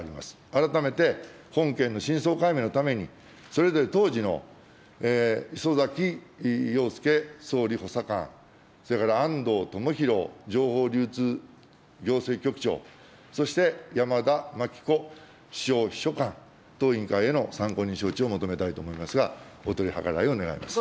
改めて本件の真相解明のために、それぞれ当時の礒崎陽輔総理補佐官、それから安藤友裕情報流通行政局長、そして山田真貴子首相秘書官、当委員会への参考人招致を求めたいと思いますが、お取り計らいをお願いします。